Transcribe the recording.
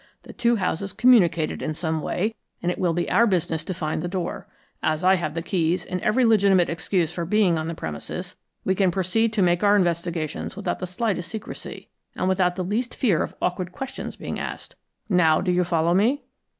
The two houses communicated in some way, and it will be our business to find the door. As I have the keys and every legitimate excuse for being on the premises, we can proceed to make our investigations without the slightest secrecy, and without the least fear of awkward questions being asked. Now do you follow me?"